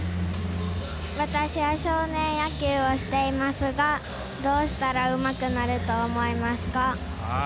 私は少年野球をしていますがどうしたらうまくなると思いますか？